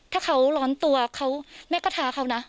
ถ้าเขาร้อนตัวเขาแม่ก็ท้าเขานะ